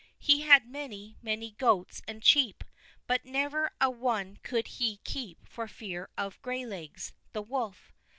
He had many, many goats and sheep, but never a one could he keep for fear of Graylegs, the wolf.